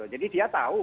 jadi dia tahu